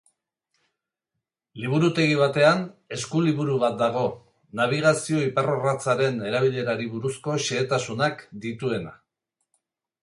Liburutegi batean eskuliburu bat dago, nabigazio-iparrorratzaren erabilerari buruzko xehetasunak dituena.